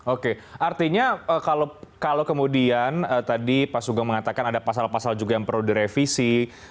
oke artinya kalau kemudian tadi pak sugeng mengatakan ada pasal pasal juga yang perlu direvisi